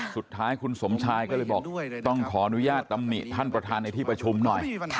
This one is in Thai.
สุดท้ายคุณสมชายก็เลยบอกต้องขออนุญาตตำหนิท่านประธานในที่ประชุมหน่อย